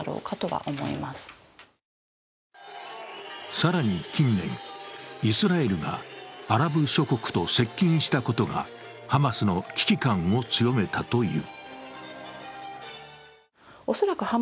さらに近年、イスラエルがアラブ諸国と接近したことがハマスの危機感を強めたという。